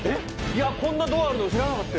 こんなドアあるの、知らなかったよ。